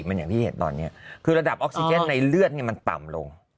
มันอย่างที่เห็นตอนนี้คือระดับออกซิเจนในเลือดมันต่ำลง